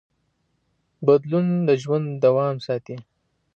بدلون د ژوند دوام ساتي.